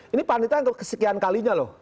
ini panditan kesekian kalinya loh